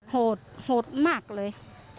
โหดโหดมากเลย